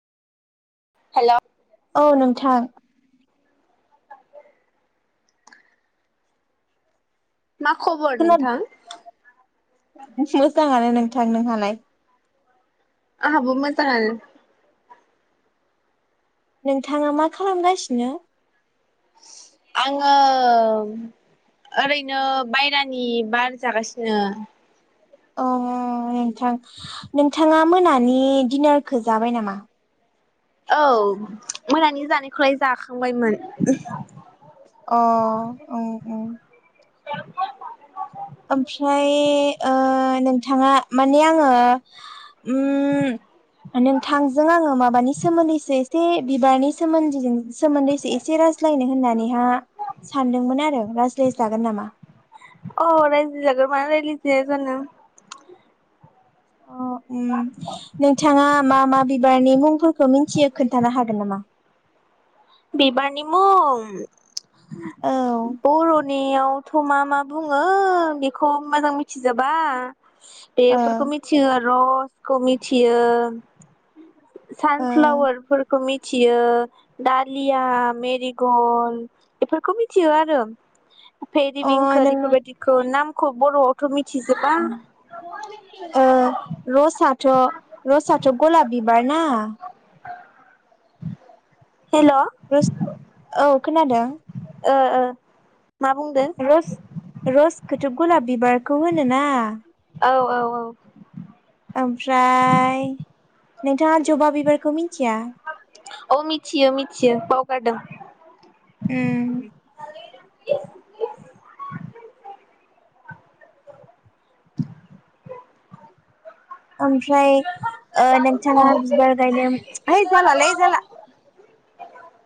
हेल' औ नोंथां मा खबर नोंथां [unintelligible] मोजाङानो नोंथां नोंहालाय आंहाबो मोजांआनो नोंथाङा मा खालामगासिनो आङो ओरैनो बायेरानि बार जागासिनो अ नोंथां नोंथाङा मोनानि दिडनारखौ जाबाय नामा? औ मोनानि जानायखौलाय जाखांबायमोन अ ओं ओं ओमफ्राय ओ नोंथाङा माने आङो उम नोंथांजों आङो माबानि सोमोन्दैसो एसे बिबारनि सोमोन्दैजों सोमोन्दैसो एसे रायज्लायनो होननानैहा सानदोंमोन आरो रायज्लायजागोन नामा? अ राज्लाय जागोन मानो रायज्लायजाया जानो अ नोंथाङा मा मा बिबारनि मुंफोरखौ मिथियो खोन्थानो हागोन नामा? बिबारनि मुं औ बर'नि आव थमा मा बुङो बेखौ मोजां मिथिजोबा ओ बेफोरखौ मिथियो र' खौ मिथियो सानफ्लारफोरखौ मित थियो दालिया मेरिगल बेफोरखौ मिथियो आरो ओ [unintelligible] अ खो नों बेफोरबायदिखो नाम ख'ख बर ओ लसाथ' रसाथ' गलाब बिबार ना? [inaudible] रोसत औ खोनादों । ओ ओ । रस रस खोथ गलाब बिबारखौ होनोना? औ औ औ । ओमफ्राय नों था ज'बा बिबारखो मिथिया औ मिथियो मिथियो बावगारदों । उम [unintelligible] ओमफ्राय ओ औ नोंथाङा बिबार गायनोम है जालालै जाला ।